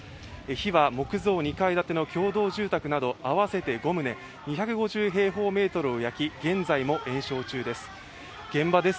火は木造２階建ての共同住宅など合わせて５棟、２５０平方メートルを焼き現在も延焼中です。